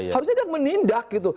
harusnya dia menindak gitu